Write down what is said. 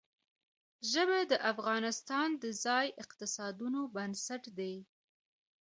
ژبې د افغانستان د ځایي اقتصادونو بنسټ دی.